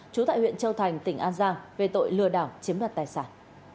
trú tại huyện châu thành tỉnh an giang về tội lừa đảo chiếm đoạt tài sản